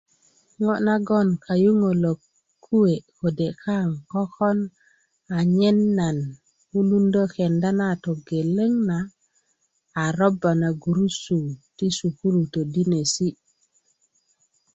ŋo nagon kayuŋölök kuwe' kode' kaŋ kökön anyen nan wulundö kenda na togeleŋ na a roba na gurusu ti sukulu todinesi'